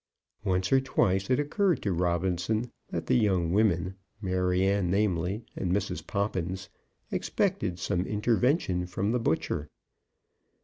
Once or twice it occurred to Robinson that the young women, Maryanne namely and Mrs. Poppins, expected some intervention from the butcher.